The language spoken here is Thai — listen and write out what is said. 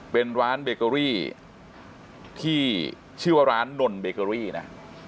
เป็นร้านเบเกอรี่ที่ชื่อว่าร้านนนเบเกอรี่นะ